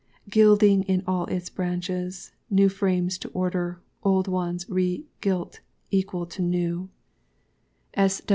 Gilding in all its branches. New Frames to Order. Old ones Re gilt equal to New.